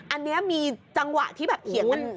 อันนี้มีจังหวะที่แบบเถียงกัน